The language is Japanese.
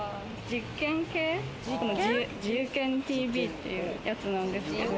じゆけんＴＶっていうやつなんですけど。